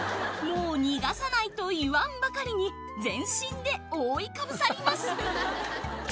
もう逃がさないと言わんばかりに全身で覆いかぶさります。